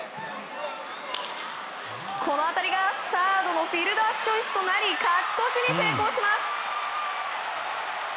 この当たりが、サードのフィルダースチョイスとなり勝ち越しに成功します。